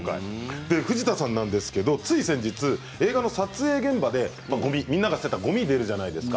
藤田さんはつい先日映画の撮影現場で、みんなが捨てたごみが出るじゃないですか